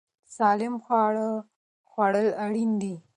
سالم خواړه خوړل اړین دي.